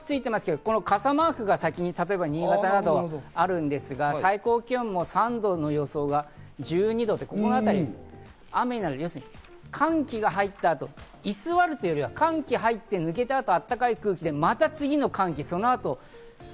でも傘マークなど、先に新潟にあるんですけど、最高気温も３度の予想が１２度と、このあたりは雨になる、寒気が入った後、居座るというよりは寒気が入って抜けたあと、暖かい空気で、また次の寒気。